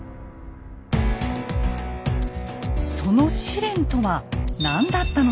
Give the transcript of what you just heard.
その試練とは何だったのでしょうか。